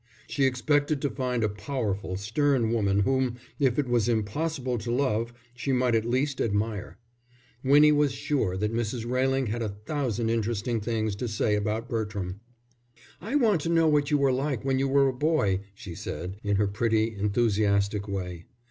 She expected to find a powerful, stern woman whom, if it was impossible to love, she might at least admire. Winnie was sure that Mrs. Railing had a thousand interesting things to say about Bertram. "I want to know what you were like when you were a boy," she said, in her pretty, enthusiastic way.